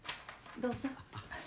どうぞ。